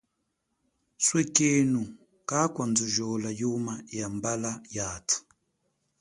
Sweka auze kakwandhujola yuma yambala yathu.